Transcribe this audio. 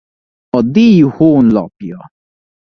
A díj honlapja